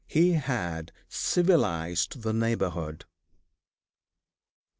He had civilized the neighborhood.